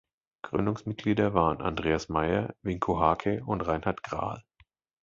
Gründungsmitglieder waren Andreas Maier, Vinko Hake und Reinhardt Grahl.